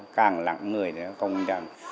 càng lặng người thì nó không chẳng